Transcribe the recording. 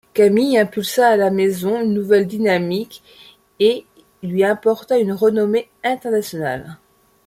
Camille impulsa à la maison une nouvelle dynamique et lui apporta une renommée internationale.